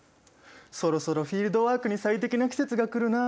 そろそろフィールドワークに最適な季節が来るな。